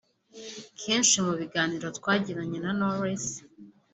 Kenshi mu biganiro twagiranye na Knowless